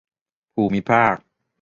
ภูมิภาค